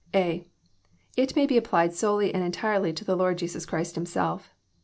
JOHN, CHAP. xn. 851 (a) It may be applied solely and entirely to the Lord Jesns Christ Himself.